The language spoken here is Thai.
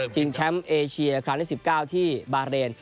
ทีมแชมป์เอเชีย๒๐๑๙ที่บาเรน